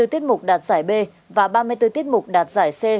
hai mươi tiết mục đạt giải b và ba mươi bốn tiết mục đạt giải c